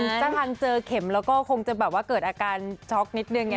คุณจากทางเจอเข็มเราก็คงจะเกิดอาการช็อกนิดหนึ่ง